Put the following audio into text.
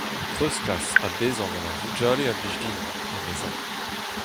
Treuzkas ha bezañ gant ar vugale a blij din, emezañ.